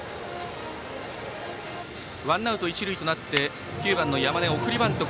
ワンアウト一塁となって９番の山根、送りバント。